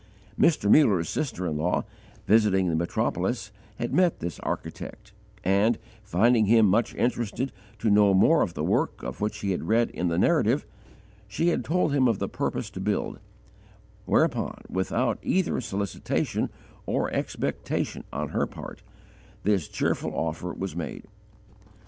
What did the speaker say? Mr. Muller's sister in law, visiting the metropolis, had met this architect; and, finding him much interested to know more of the work of which he had read in the narrative, she had told him of the purpose to build; whereupon, without either solicitation or expectation on her part, this cheerful offer was made.